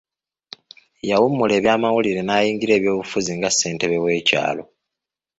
Yawummula ebyamawulire n'ayingira ebyobufuzi nga ssentebe w'ekyalo.